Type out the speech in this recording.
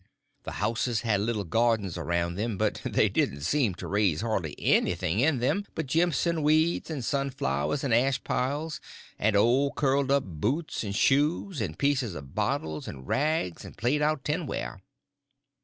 The houses had little gardens around them, but they didn't seem to raise hardly anything in them but jimpson weeds, and sunflowers, and ash piles, and old curled up boots and shoes, and pieces of bottles, and rags, and played out tin ware.